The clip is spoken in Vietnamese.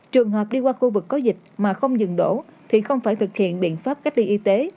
trường hợp đi qua khu vực có dịch mà không dừng đổ thì không phải thực hiện biện pháp cách ly y tế